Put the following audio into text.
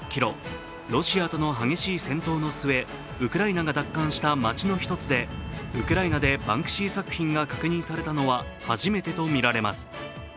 ロシアとの激しい戦闘の末ウクライナが奪還した街の１つでウクライナでバンクシー作品が確認されたのは初めてとみられます。